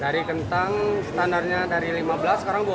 dari kentang standarnya dari lima belas sekarang dua puluh